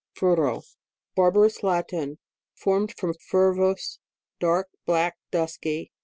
FURO. Barbarous Latin, formed from furvus, dark, black, dusky.